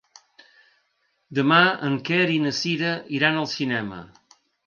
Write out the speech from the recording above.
Demà en Quer i na Cira iran al cinema.